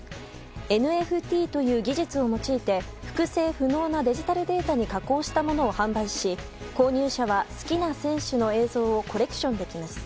ＮＦＴという技術を用いて複製不能なデジタルデータに加工したものを販売し、購入者は好きな選手の映像をコレクションできます。